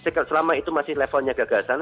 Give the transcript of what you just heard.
selama itu masih levelnya gagasan